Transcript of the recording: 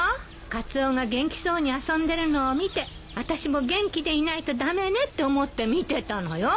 カツオが元気そうに遊んでるのを見てあたしも元気でいないと駄目ねって思って見てたのよ。